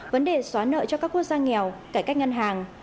vấn đề xóa nợ cho các quốc gia nghèo cải cách ngân hàng